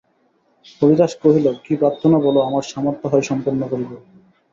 হরিদাস কহিল কি প্রার্থনা বল আমার সামর্থ্য হয় সম্পন্ন করিব।